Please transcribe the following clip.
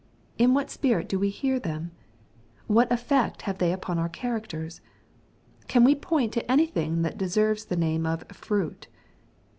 In what spirit do we hear them ? What eflfect have they upon our characters ? Can we point to anything that deserves the name of " fruit